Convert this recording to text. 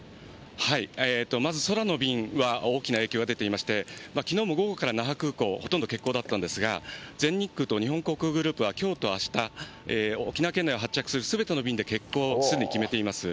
まず空の便は大きな影響が出ていまして、きのうも午後から那覇空港、ほとんど欠航だったんですが、全日空と日本航空グループは、きょうとあした、沖縄県内を発着するすべての便で欠航をすでに決めています。